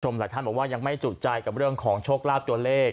หลายท่านบอกว่ายังไม่จุใจกับเรื่องของโชคลาภตัวเลข